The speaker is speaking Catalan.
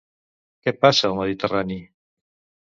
Què passa al Mediterrani?